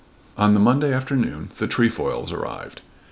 On the Monday afternoon the Trefoils arrived.